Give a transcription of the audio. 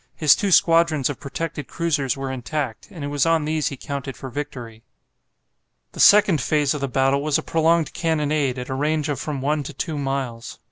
His two squadrons of protected cruisers were intact, and it was on these he counted for victory. The second phase of the battle was a prolonged cannonade at a range of from one to two miles.